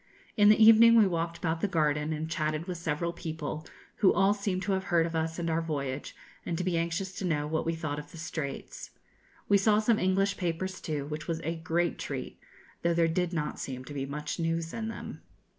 In the evening we walked about the garden and chatted with several people, who all seemed to have heard of us and our voyage, and to be anxious to know what we thought of the Straits. We saw some English papers too, which was a great treat, though there did not seem to be much news in them.